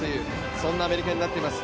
そんなアメリカになっています。